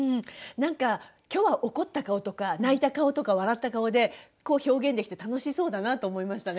今日は怒った顔とか泣いた顔とか笑った顔でこう表現できて楽しそうだなと思いましたね。